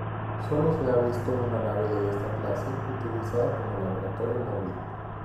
Sólo se ha visto una nave de esta clase utilizada como laboratorio móvil.